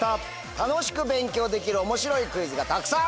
楽しく勉強できる面白いクイズがたくさん！